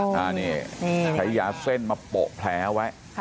ใช้ยาเส้นมาโปะแผลไว้